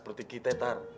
memfitnah seperti kita tar